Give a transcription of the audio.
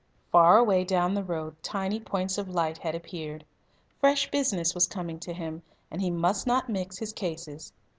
Far away down the road tiny points of light had appeared. Fresh business was coming to him, and he must not mix his cases.